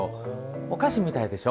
お菓子みたいでしょ。